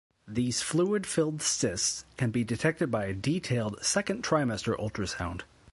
These fluid-filled cysts can be detected by a detailed second trimester ultrasound.